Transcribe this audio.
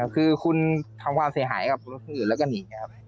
คือคุณทำความเสียหายกับรถคนอื่นแล้วก็หนีไงครับ